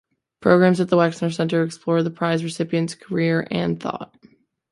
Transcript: Programs at the Wexner Center explore the prize recipient's career and thought.